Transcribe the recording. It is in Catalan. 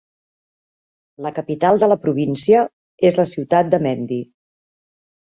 La capital de la província és la ciutat de Mendi.